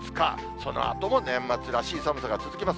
そのあとも年末らしい寒さが続きます。